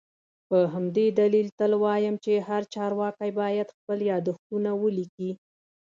په همدې دلیل تل وایم چي هر چارواکی باید خپل یادښتونه ولیکي